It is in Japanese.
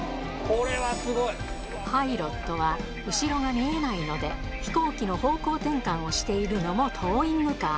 パイロットは後ろが見えないので、飛行機の方向転換をしているのもトーイングカー。